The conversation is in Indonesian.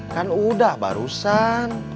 kan udah barusan